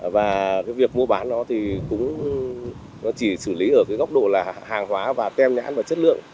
và việc mua bán nó chỉ xử lý ở góc độ hàng hóa tem nhãn và chất lượng